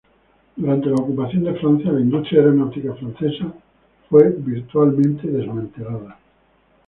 Durante la ocupación de Francia la industria aeronáutica francesa fue virtualmente desmantelada.